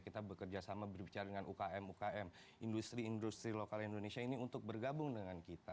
kita bekerja sama berbicara dengan ukm ukm industri industri lokal indonesia ini untuk bergabung dengan kita